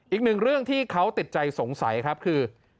อีกหนึ่งเรื่องที่เขาติดใจสงสัยครับคือ